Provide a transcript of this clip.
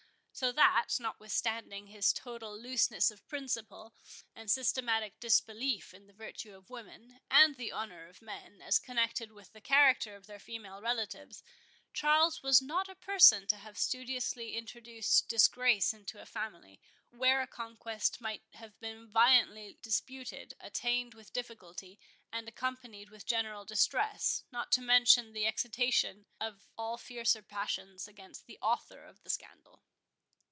So that, notwithstanding his total looseness of principle, and systematic disbelief in the virtue of women, and the honour of men, as connected with the character of their female relatives, Charles was not a person to have studiously introduced disgrace into a family, where a conquest might have been violently disputed, attained with difficulty, and accompanied with general distress, not to mention the excitation of all fiercer passions against the author of the scandal.